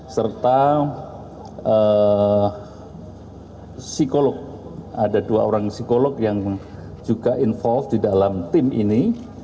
serta psikolog ada dua orang psikolog yang juga involve di dalam tim ini